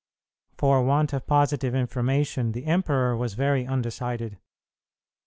For want of positive information the emperor was very undecided.